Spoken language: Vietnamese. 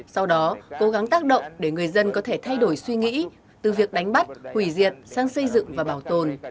sau đó cố gắng tác động để người dân có thể thay đổi suy nghĩ từ việc đánh bắt hủy diệt sang xây dựng và bảo tồn